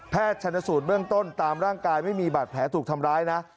ชนสูตรเบื้องต้นตามร่างกายไม่มีบาดแผลถูกทำร้ายนะ